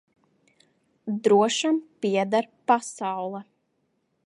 Drošam pieder pasaule.